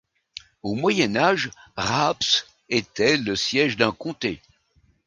Au Moyen Âge, Raabs était le siège d'un comté.